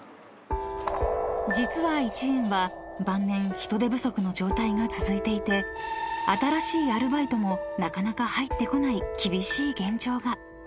［実は一圓は万年人手不足の状態が続いていて新しいアルバイトもなかなか入ってこない厳しい現状が］